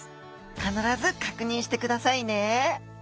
必ず確認してくださいね